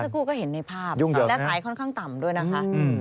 คู่ก็เห็นในภาพและสายค่อนข้างต่ำด้วยนะคะ